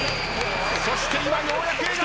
そして今ようやく笑顔。